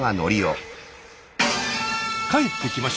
帰ってきました。